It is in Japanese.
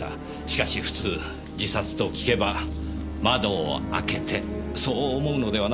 しかし普通自殺と聞けば窓を開けてそう思うのではないのでしょうかね。